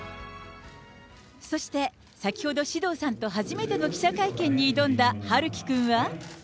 そして先ほど獅童さんと初めての記者会見に挑んだ陽喜くんは。